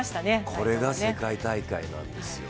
これが世界大会なんですよ。